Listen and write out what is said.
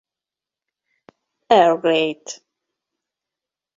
Earl Greyt.